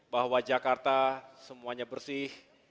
bahwa jakarta semuanya bersih